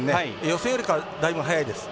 予選よりかは、だいぶ早いです。